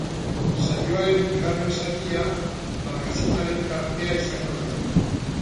Saioaren bigarren zatia magazinaren tartea izango da.